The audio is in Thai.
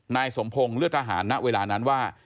นายสมพงศ์เลือดทหารณเวลานั้นว่า